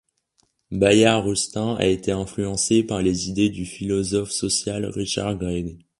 Bayard Rustin a été influencé par les idées du philosophe social Richard Gregg.